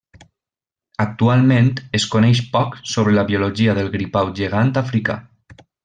Actualment es coneix poc sobre la biologia del gripau gegant africà.